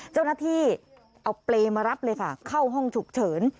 เจ้าหน้าที่เอาเปรย์มารับเลยค่ะเข้าห้องฉุกเฉิน